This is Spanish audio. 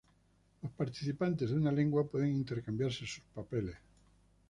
Los participantes de una lengua pueden intercambiarse sus papeles.